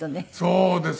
そうです。